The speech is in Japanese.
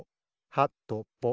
はとぽぽ。